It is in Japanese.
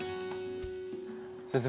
先生。